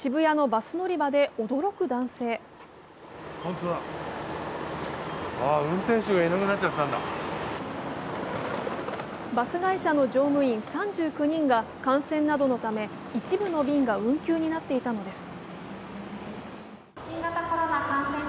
バス会社の乗務員３９人が感染などのため一部の便が運休になっていたのです。